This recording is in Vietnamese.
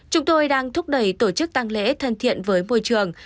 chúng tôi đang thúc đẩy tổ chức tăng lễ thân thiện với môi trường